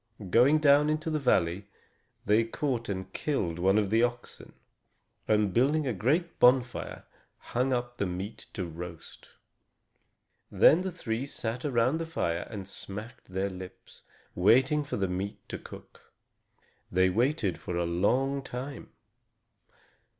Going down into the valley, they caught and killed one of the oxen, and, building a great bonfire, hung up the meat to roast. Then the three sat around the fire and smacked their lips, waiting for the meat to cook. They waited for a long time.